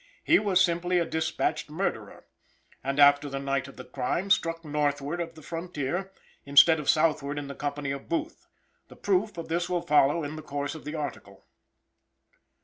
He was simply a dispatched murderer, and after the night of the crime, struck northward of the frontier, instead of southward in the company of Booth. The proof, of this will follow in the course of the article.